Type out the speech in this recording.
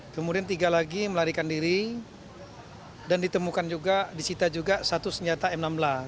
kemudian tiga lagi melarikan diri dan ditemukan juga disita juga satu senjata m enam belas